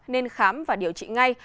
nên khám và điều trị ngay